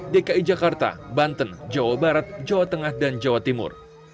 dki jakarta banten jawa barat jawa tengah dan jawa timur